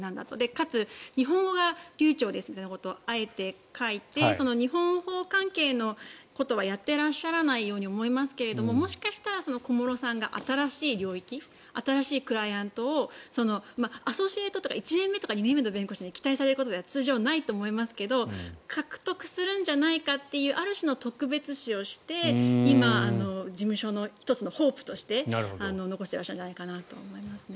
かつ日本語が流ちょうですということをあえて書いて日本法関係のことはやっていらっしゃらないように思えますけれどもしかしたら小室さんが新しい領域新しいクライアントをアソシエートとか１年目とか２年目の弁護士に期待されることでは通常ないと思いますが獲得するんじゃないかというある種の特別視をして今、事務所の１つのホープとして残していらっしゃるんじゃないかなと思います。